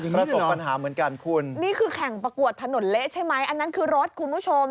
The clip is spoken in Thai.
ประสบปัญหาเหมือนกันคุณนี่คือแข่งประกวดถนนเละใช่ไหมอันนั้นคือรถคุณผู้ชม